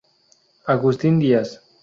Agustín Díaz.